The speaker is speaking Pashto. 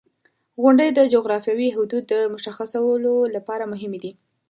• غونډۍ د جغرافیوي حدودو د مشخصولو لپاره مهمې دي.